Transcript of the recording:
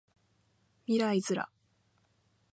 未来ズラ